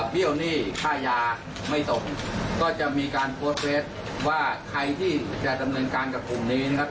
เบี้ยวหนี้ค่ายาไม่ส่งก็จะมีการโพสต์เฟสว่าใครที่จะดำเนินการกับกลุ่มนี้นะครับ